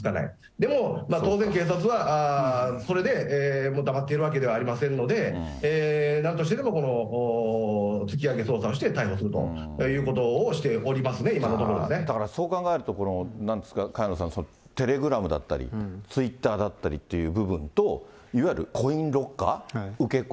でも、当然警察はそれで黙っているわけではありませんので、なんとしてでもこのつきあげ捜査をして、逮捕するということをしだからそう考えると、なんですか、萱野さん、テレグラムだったり、ツイッターだったりっていう部分と、いわゆるコインロッカー、受け子、